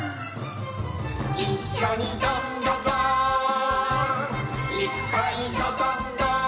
「いっしょにどんどどんいっぱいどどんどん」